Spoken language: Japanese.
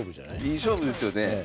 いい勝負ですよね。